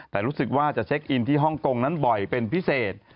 แต่รู้สึกว่าจะเช็คอินที่ฮ่องกงนั้นบ่อยเป็นพิเศษ